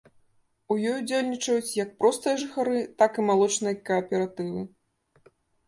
У ёй удзельнічаюць як простыя жыхары, так і малочныя кааператывы.